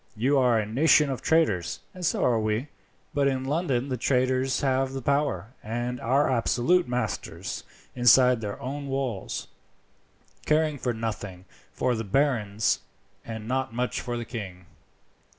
You are a nation of traders, and so are we; but in London the traders have the power, and are absolute masters inside their own walls, caring nothing for the barons, and not much for the king.